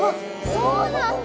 そうなんだ！